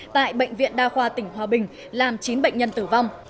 tại bệnh viện đa khoa tỉnh hòa bình làm chín bệnh nhân tử vong